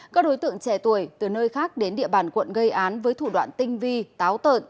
các đối tượng trẻ tuổi từ nơi khác đến địa bàn quận gây án với thủ đoạn tinh vi táo tợn